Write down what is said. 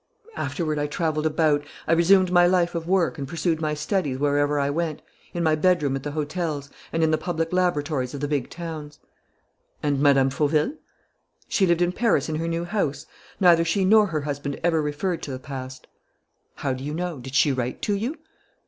"Afterward I travelled about. I resumed my life of work and pursued my studies wherever I went, in my bedroom at the hotels, and in the public laboratories of the big towns." "And Mme. Fauville?" "She lived in Paris in her new house. Neither she nor her husband ever referred to the past." "How do you know? Did she write to you?"